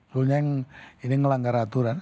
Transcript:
dulu ini ngelanggar aturan